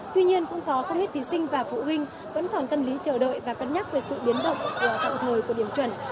tuy nhiên cũng có không ít thí sinh và phụ huynh vẫn còn tâm lý chờ đợi và cân nhắc về sự biến động tạm thời của điểm chuẩn